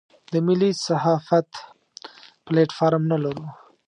د ملي صحافت پلیټ فارم نه لرو.